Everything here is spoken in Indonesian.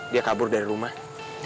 dia kabur dari rumah